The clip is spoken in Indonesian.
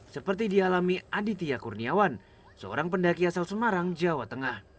seperti dialami aditya kurniawan seorang pendaki asal semarang jawa tengah